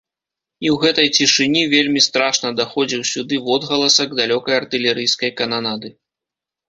І ў гэтай цішыні вельмі страшна даходзіў сюды водгаласак далёкай артылерыйскай кананады.